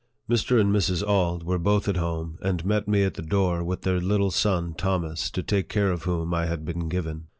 Mr. and Mrs. Auld were both at home, and met me at the door with their little son Thomas, to take care of whom I had been given.